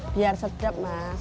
biar sedap mas